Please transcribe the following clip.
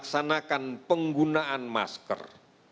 kita harus melaksanakan penggunaan masker